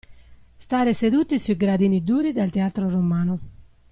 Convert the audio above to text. Stare seduti sui gradini duri del teatro romano.